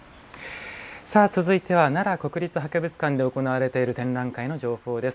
続いては、奈良国立博物館で行われている展覧会の情報です。